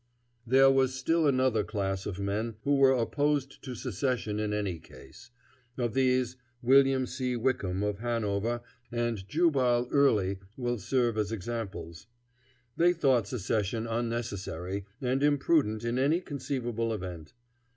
There was still another class of men who were opposed to secession in any case. Of these, William C. Wickham, of Hanover, and Jubal Early will serve as examples. They thought secession unnecessary and imprudent in any conceivable event.